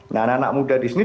nah anak anak muda disini